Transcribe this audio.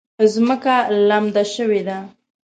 ځمکه لمده شوې ده